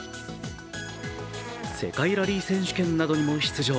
世界ラリー選手権などにも出場。